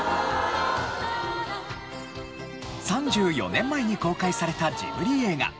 ３４年前に公開されたジブリ映画『となりのトトロ』。